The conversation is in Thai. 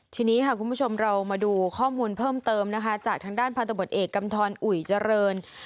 ทีนี้ค่ะคุณผู้ชมเรามาดูข้อมูลเพิ่มเติมนะคะจากทางด้านพันธบทเอกกำทรอุ๋ยเจริญ